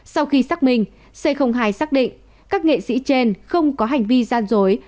sau khi xác minh c hai xác định các nghệ sĩ trên không có hành vi gian dối